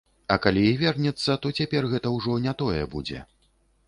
А калі і вернецца, то цяпер гэта ўжо не тое будзе.